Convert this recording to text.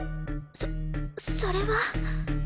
そそれは！